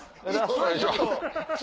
お願いします。